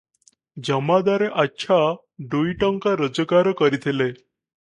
ଜମାଦାରେ ଆଚ୍ଛା ଦୁଇଟଙ୍କା ରୋଜଗାର କରିଥିଲେ ।